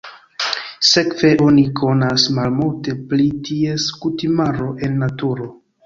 Sekve oni konas malmulte pri ties kutimaro en naturo.